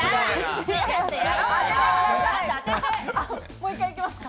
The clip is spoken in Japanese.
もう１回行きますか？